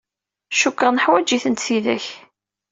Cukkeɣ neḥwaǧ-itent tidak.